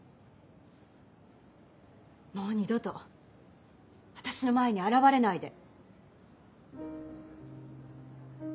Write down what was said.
もう二度と私の前に現れないで。